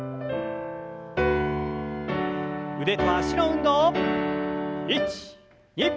腕と脚の運動。